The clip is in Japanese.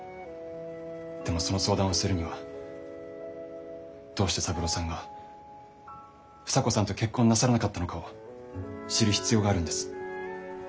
でもその相談をするにはどうして三郎さんが房子さんと結婚なさらなかったのかを知る必要があるんです。